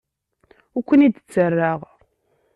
Ur ken-id-ttarraɣ.